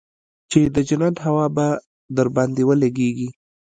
چې د جنت هوا به درباندې ولګېږي.